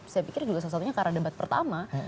saya pikir juga salah satunya karena debat pertama